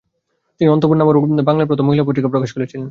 তিনি 'অন্তপুর' নামে বাংলায় প্রথম মহিলা পত্রিকা প্রকাশ করেছিলেন।